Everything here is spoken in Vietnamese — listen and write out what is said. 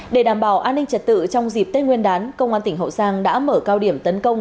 để đảm bảo an ninh trật tự trong dịp tết nguyên đán công an tỉnh hậu giang đã mở cao điểm tấn công